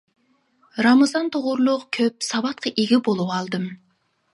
رامىزان توغرىلىق كۆپ ساۋاتقا ئىگە بولۇۋالدىم.